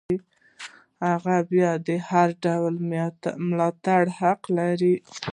هغه باید د هر ډول ملاتړ حق ولري.